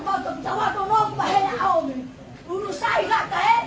kepala sekolah menangkap perempuan yang berusia dua puluh lima tahun